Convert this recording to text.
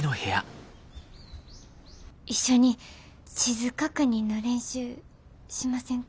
一緒に地図確認の練習しませんか？